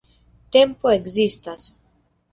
Tempo ekzistas!